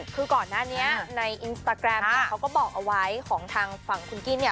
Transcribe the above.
คือก่อนหน้านี้ในอินสตาแกรมเนี่ยเขาก็บอกเอาไว้ของทางฝั่งคุณกิ้นเนี่ย